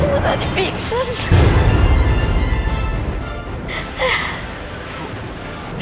ibu tadi pingsan